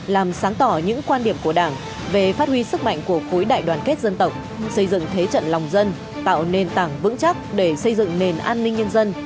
làm sáng tỏ những quan điểm của đảng về phát huy sức mạnh của khối đại đoàn kết dân tộc xây dựng thế trận lòng dân tạo nền tảng vững chắc để xây dựng nền an ninh nhân dân